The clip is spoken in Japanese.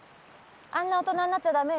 あんな大人になっちゃダメよ。